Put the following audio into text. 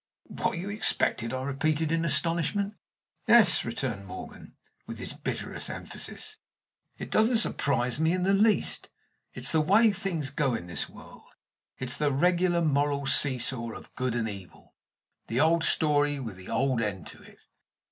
"What you expected?" I repeated, in astonishment. "Yes," returned Morgan, with his bitterest emphasis. "It doesn't surprise me in the least. It's the way things go in this world it's the regular moral see saw of good and evil the old story with the old end to it.